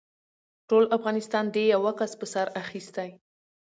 ټول افغانستان دې يوه کس په سر اخيستی.